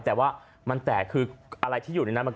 แต่ว่ามันแตกคืออะไรที่อยู่ในนั้น